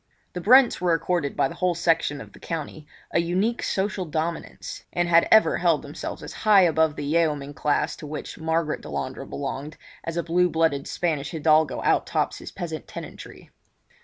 The Brents were accorded by the whole section of the country a unique social dominance, and had ever held themselves as high above the yeoman class to which Margaret Delandre belonged, as a blue blooded Spanish hidalgo out tops his peasant tenantry.